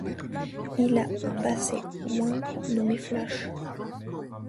Il a un basset hound nommé Flash.